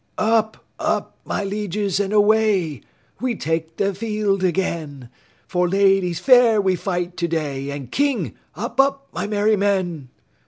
Up, up, my lieges and away! We take the field again For Ladies fair we fight today And KING! Up, up, my merry men!